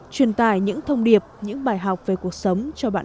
truyền tải những thông điệp những bài học về cuộc sống cho bạn